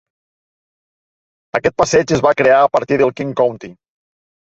Aquest passeig es va crear a partir del King County.